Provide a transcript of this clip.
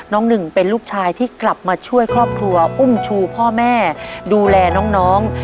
หนึ่งเป็นลูกชายที่กลับมาช่วยครอบครัวอุ้มชูพ่อแม่ดูแลน้อง